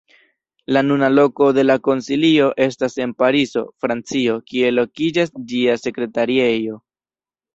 La nuna loko de la Konsilio estas en Parizo, Francio, kie lokiĝas ĝia Sekretariejo.